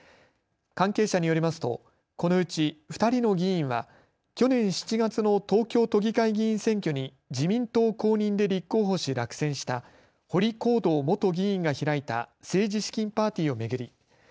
関係者によりますとこのうち２人の議員は去年７月の東京都議会議員選挙に自民党公認で立候補し落選した堀宏道元議員が開いた政治資金パーティーを巡り